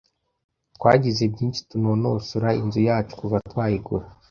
Twagize byinshi tunonosora inzu yacu kuva twayigura.